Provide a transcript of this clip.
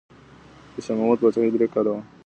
د شاه محمود پاچاهي درې کاله وه.